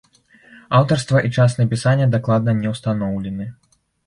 Аўтарства і час напісання дакладна не ўстаноўлены.